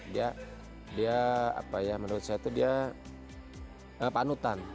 dia dia apa ya menurut saya itu dia panutan